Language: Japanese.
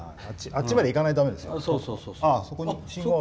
あっちまで行かなきゃだめですよ。